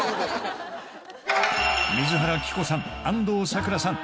水原希子さん